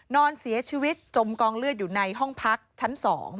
นอนเสียชีวิตจมกองเลือดอยู่ในห้องพักชั้น๒